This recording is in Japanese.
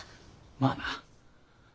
まあな。